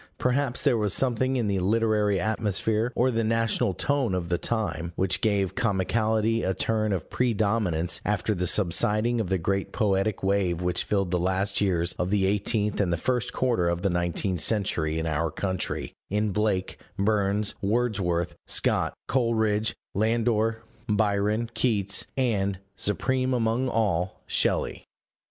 Perhaps there was something in the literary atmosphere or the national tone of the time which gave comicality a turn of predominance after the subsiding of the great poetic wave which filled the last years of the eighteenth and the first quarter of the nineteenth century in our country, in Blake, Burns, Wordsworth, Scott, Coleridge, Landor, Byron, Keats, and, supreme among all, Shelley.